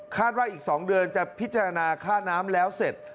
ว่าอีก๒เดือนจะพิจารณาค่าน้ำแล้วเสร็จ